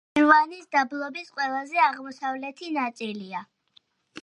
შირვანის დაბლობის ყველაზე აღმოსავლეთი ნაწილია.